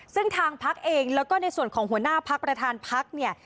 ซึ่งทางพักเองแล้วก็ในส่วนของหัวหน้าพักประธานพักเนี่ย